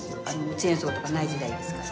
チェーンソーとかない時代ですから。